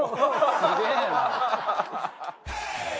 すげえな。